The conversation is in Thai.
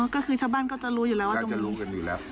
ก็คือชาวบ้านก็จะรู้อยู่แล้วว่าตรงนี้รู้กันอยู่แล้ว